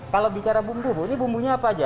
kalau bicara bumbu ini bumbunya apa saja